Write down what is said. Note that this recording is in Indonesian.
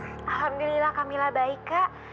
alhamdulillah kamila baik kak